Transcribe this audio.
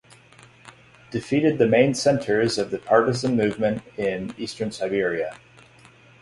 Defeated the main centers of the partisan movement in Eastern Siberia.